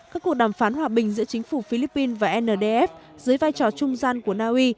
các cuộc đàm phán hòa bình giữa chính phủ philippines và ndf dưới vai trò trung gian của naui